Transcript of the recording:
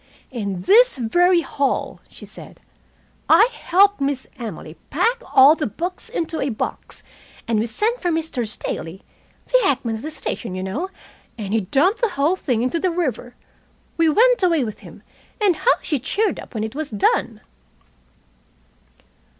"In this very hall," she said, "I helped Miss Emily to pack all his books into a box, and we sent for Mr. Staley the hackman at the station, you know and he dumped the whole thing into the river. We went away with him, and how she cheered up when it was done!"